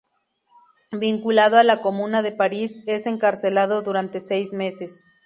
Vinculado a la Comuna de París, es encarcelado durante seis meses.